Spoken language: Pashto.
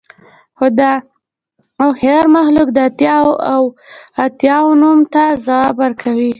خو دا هوښیار مخلوق د اتیا اوه اتیا نوم ته ځواب ورکوي